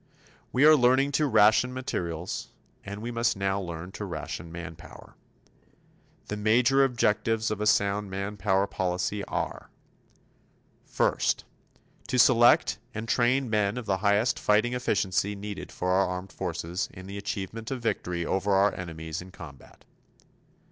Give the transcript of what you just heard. We are learning to ration materials, and we must now learn to ration manpower. The major objectives of a sound manpower policy are: First, to select and train men of the highest fighting efficiency needed for our armed forces in the achievement of victory over our enemies in combat.